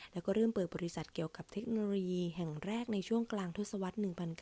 แล้วก็เริ่มเปิดบริษัทเกี่ยวกับเทคโนโลยีแห่งแรกในช่วงกลางทศวรรษ๑๙